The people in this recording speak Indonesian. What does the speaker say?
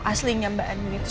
aslinya mbak andin itu